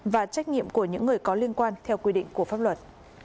và trách nhiệm của những người có liên quan theo quy định của pháp luật